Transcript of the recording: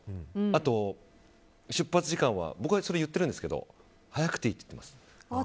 あと、出発時間は僕言ってるんですけど早く言ってもらってます。